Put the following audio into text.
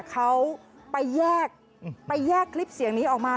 เขาไปแยกไปแยกคลิปเสียงนี้ออกมา